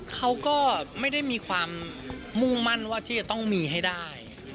เขาก็ไม่ได้มีความมุ่งมั่นว่าที่จะต้องมีให้ได้